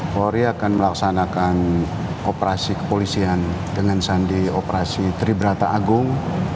polri akan melaksanakan operasi kepolisian dengan sandi operasi tribrata agung dua ribu dua puluh empat